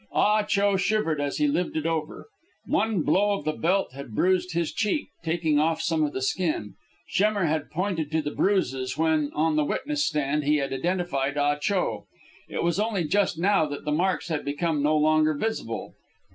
Ah Cho shivered as he lived it over. One blow of the belt had bruised his cheek, taking off some of the skin. Schemmer had pointed to the bruises when, on the witness stand, he had identified Ah Cho. It was only just now that the marks had become no longer visible.